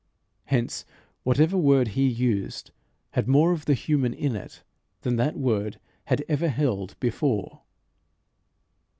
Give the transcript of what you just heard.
Hence whatever word he used had more of the human in it than that word had ever held before.